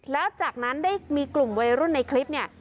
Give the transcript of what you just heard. แล้วจากนั้นได้มีกลุ่มวัยรุ่นในคลิปเนี่ย